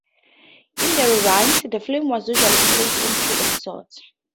In the re-runs, the film was usually split in three episodes.